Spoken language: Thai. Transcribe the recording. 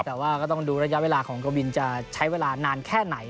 แต่ว่าก็ต้องดูระยะเวลาของกวินจะใช้เวลานานแค่ไหน